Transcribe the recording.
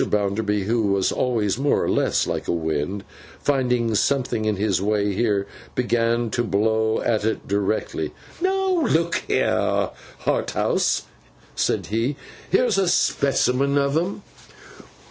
Bounderby, who was always more or less like a Wind, finding something in his way here, began to blow at it directly. 'Now, look here, Harthouse,' said he, 'here's a specimen of 'em.